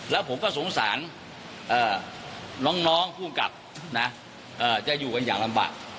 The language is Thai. แล้วผมก็สงสารน้องภูมิกับจะอยู่กันอย่างลำบาก